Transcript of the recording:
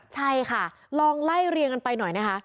ใช่ค่ะลองไล่เรียงกันไปหน่อยนะคะ